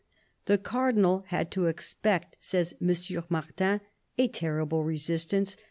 " The Cardinal had to expect," says M. Martin, " a terrible resistance.